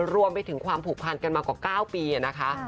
รวมไปถึงความผูกพันกันมากว่า๙ปีนะคะ